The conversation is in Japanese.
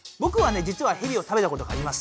じつはヘビを食べたことがあります。